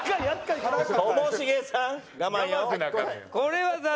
これは？